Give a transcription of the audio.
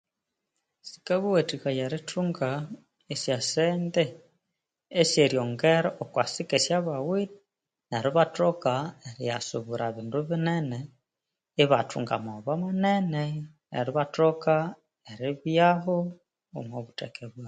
Sikabawathikaya erithunga esyasente esyeryongera okwa sike esyobawithe neryo ibathoka eriyasubura bindu binene ibathunga maghoba manene neryo ibathoka eribyaho omobutheke bwabo